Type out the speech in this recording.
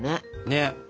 ねっ。